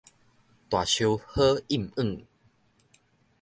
大樹好蔭影